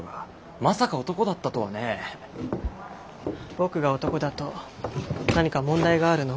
僕が男だと何か問題があるの？